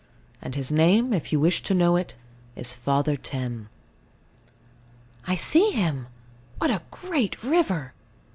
And his name, if you wish to know it, is Father Thames. I see him. What a great river!